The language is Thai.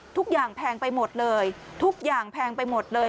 แพงไปหมดเลยทุกอย่างแพงไปหมดเลย